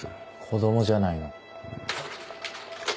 子供じゃないの。